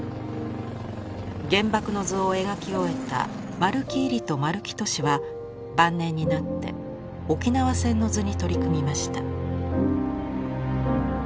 「原爆の図」を描き終えた丸木位里と丸木俊は晩年になって「沖縄戦の図」に取り組みました。